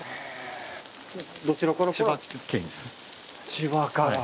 千葉から。